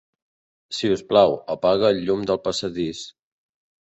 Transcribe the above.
Sisplau, apaga el llum del passadís.